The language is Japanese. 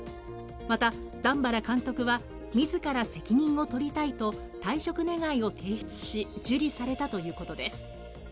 また、段原監督は自ら責任を取りたいと退職願いを提出し受理されたということです。